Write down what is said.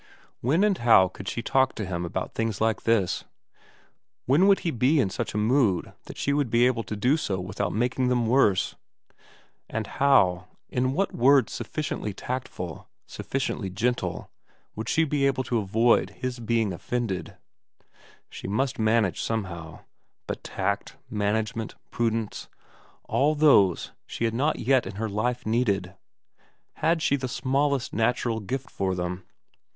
When and how could she talk to him about things like this ? When would he be in such a mood that she would be able to do so without making them worse ? And how, in what words sufficiently tactful, sufficiently gentle, would she be able to avoid his being offended I She 266 VERA must manage somehow. But tact management prudence all these she had not yet in her life needed. Had she the smallest natural gift for them